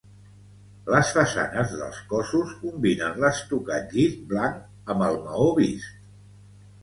Les façanes dels cossos combinen l'estucat llis blanc amb el maó vist.